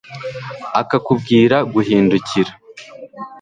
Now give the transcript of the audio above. akakubwira guhindukira